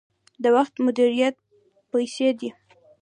د وخت مدیریت پیسې دي